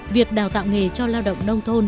việc đào tạo nghề cho lao động nông thôn